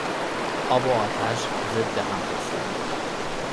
آب و آتش ضد هم هستند.